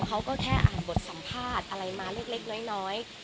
เค้าก็แค่อ่านเผาบิถิการอะไรมาเล็กน้อย